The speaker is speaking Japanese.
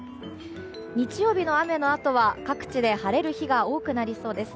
日曜日の雨のあとは各地で晴れる日が多くなりそうです。